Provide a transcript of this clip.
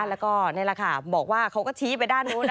แล้วก็นี่แหละค่ะบอกว่าเขาก็ชี้ไปด้านนู้นนะ